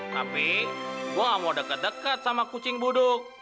tapi gua nggak mau deket deket sama kucing buduk